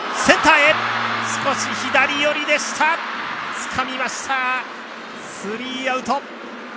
つかみました、スリーアウト。